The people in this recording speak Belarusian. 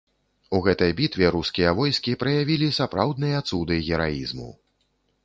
У гэтай бітве рускія войскі праявілі сапраўдныя цуды гераізму.